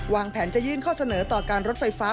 วางแผนจะยื่นข้อเสนอต่อการรถไฟฟ้า